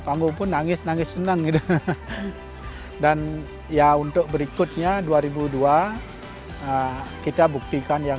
panggung pun nangis nangis senang gitu dan ya untuk berikutnya dua ribu dua kita buktikan yang